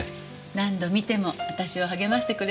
何度観ても私を励ましてくれるんです。